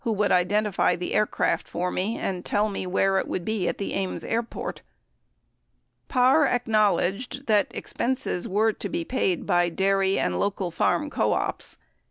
. would identify the aircraft for me and tell me where it would be at the Ames airport. ..." 58 Parr acknowledged that expenses were to be paid bv dairy and local farm co ops.